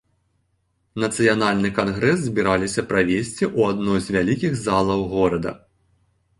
Нацыянальны кангрэс збіраліся правесці ў адной з вялікіх залаў горада.